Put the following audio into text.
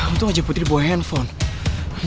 untung aja putri di bawah handphone